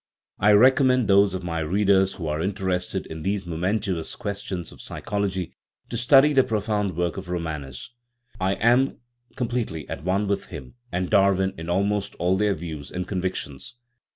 I recommend those of my readers who are interested in these momentous questions of psychology to study the profound work of Romanes. I am completely at' one with him and Darwin in almost all their views and convictions.